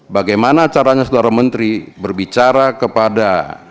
bagaimana caranya saudara menteri berbicara kepada